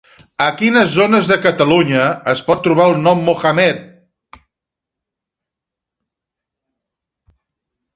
A quines zones de Catalunya es pot trobar el nom Mohamed?